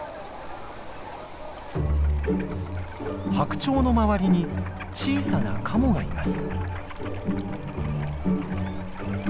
ハクチョウの周りに小さなカモがいます。